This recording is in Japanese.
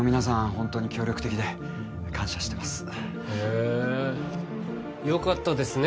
ホントに協力的で感謝してますへえよかったですね